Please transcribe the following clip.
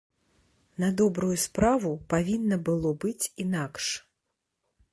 На добрую справу, павінна было быць інакш.